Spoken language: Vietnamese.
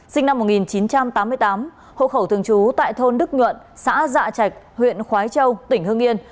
sinh năm một nghìn chín trăm tám mươi tám hộ khẩu thường trú tại thôn đức nhuận xã dạ trạch huyện khói châu tỉnh hương yên